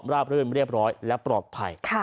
ร่าบเรื่องเรียบร้อยและปลอดภัย